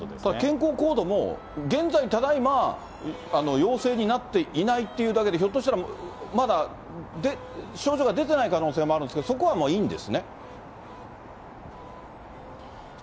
ただ、健康コードも、現在、ただいま陽性になっていないというだけで、ひょっとしたらまだ症状が出てない可能性もあるんですが、そこはもういいんですね？